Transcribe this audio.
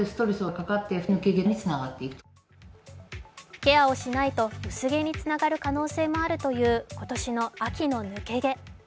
ケアをしないと薄毛につながる可能性もあるという今年の秋の抜け毛。